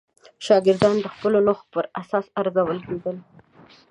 شاګردان د خپلو نښو پر اساس ارزول کېدل.